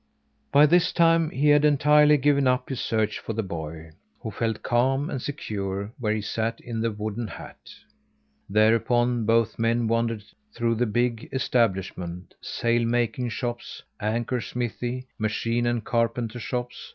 By this time he had entirely given up his search for the boy, who felt calm and secure where he sat in the wooden hat. Thereupon both men wandered through the big establishment: sail making shops, anchor smithy, machine and carpenter shops.